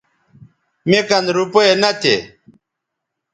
مے کن روپے نہ تھے